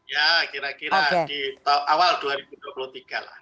ya kira kira di awal dua ribu dua puluh tiga lah